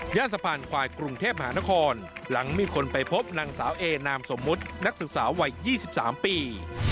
สะพานควายกรุงเทพมหานครหลังมีคนไปพบนางสาวเอนามสมมุตินักศึกษาวัย๒๓ปี